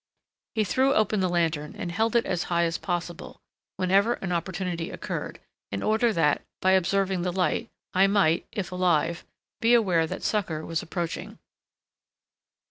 He threw open the lantern, and held it as high as possible, whenever an opportunity occurred, in order that, by observing the light, I might, if alive, be aware that succor was approaching.